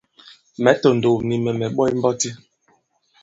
Mɛ̌ tòndòw, nì mɛ̀ mɛ̀ ɓɔt mbɔti.